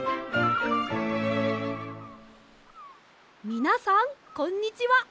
みなさんこんにちは。